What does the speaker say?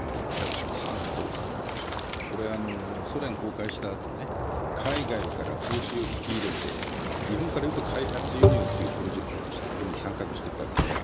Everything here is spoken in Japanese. ソ連崩壊したあと、海外から投資を引き入れて日本からいうと開発輸入というプロジェクトとしてこれに参画していったわけですね。